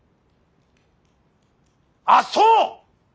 あっそう！